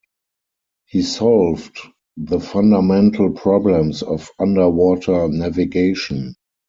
He solved the fundamental problems of underwater navigation.